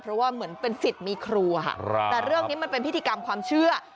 เพราะว่าเหมือนเป็นสิทธิ์มีครูค่ะแต่เรื่องนี้มันเป็นพิธีกรรมความเชื่อ